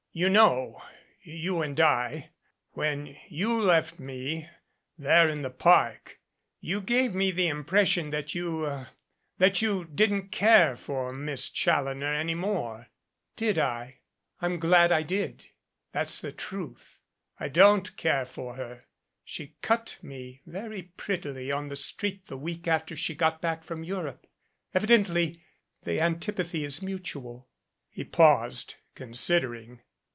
You know, you and I when you left me there in the Park you gave me the im pression that you er that you didn't care for Miss Challoner any more "Did I? I'm glad I did. That's the truth. I don't care for her. She cut me very prettily on the street the week after she got back from Europe. Evidently the antipathy is mutual." He paused, considering.